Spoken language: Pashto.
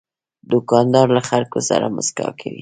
دوکاندار له خلکو سره مسکا کوي.